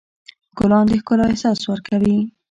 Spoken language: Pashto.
ګلان د ښکلا احساس ورکوي.